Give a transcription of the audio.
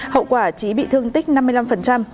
hậu quả trí bị thương tích năm mươi năm